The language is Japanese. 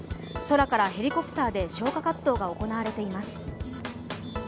空からヘリコプターで消火活動が行われています。